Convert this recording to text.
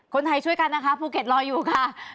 คนไทยช่วยกันนะคะภูเก็ตรออยู่ค่ะ